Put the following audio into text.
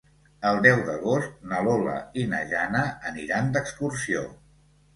El deu d'agost na Lola i na Jana aniran d'excursió.